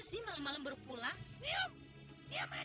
selama membiung kamu ya